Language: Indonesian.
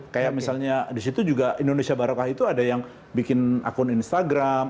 kayak misalnya di situ juga indonesia barokah itu ada yang bikin akun instagram